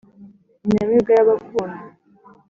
Inyamibwa y'abankunda